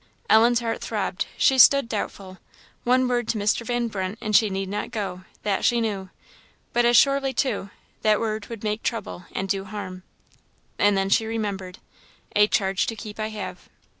Ellen's heart throbbed she stood doubtful. One word to Mr. Van Brunt, and she need not go that she knew. But as surely, too, that word would make trouble and do harm. And then she remembered, "A charge to keep I have!"